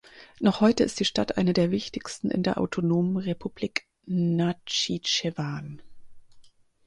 Noch heute ist die Stadt eine der wichtigsten in der Autonomen Republik Nachitschewan.